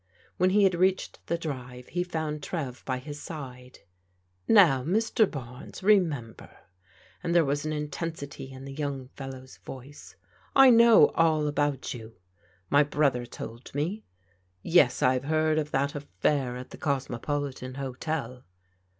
When he had reached Ihfc dxvNt hfc iound Trev by his JIM'S APPEAL FOR HELP 283 side. " Now, Mr. Barnes, remember," and there was an intensity in the young fellow's voice, " I know all about you, — my brother told me. Yes, I've heard of that af fair at the Cosmopolitan Hotel.